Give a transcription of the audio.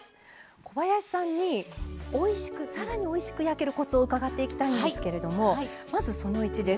小林さんにさらにおいしく焼けるコツを伺っていきたいんですけれどもまず、その１です。